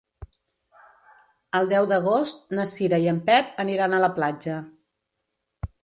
El deu d'agost na Cira i en Pep aniran a la platja.